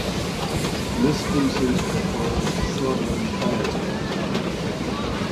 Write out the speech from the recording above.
This species prefers shrubland habitat.